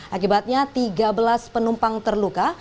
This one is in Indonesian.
akibatnya tiga belas penumpang terluka